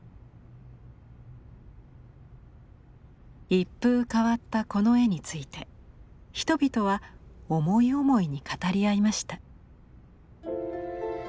一風変わったこの絵について人々は思い思いに語り合いました。